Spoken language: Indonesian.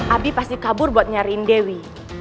abi pasti kabur buat nyariin dewi